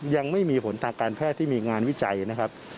ยังไม่มีผลทางการแพทย์ที่มีงานวิจัยนะครับ